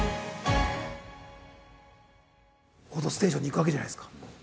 「報道ステーション」に行くわけじゃないですか。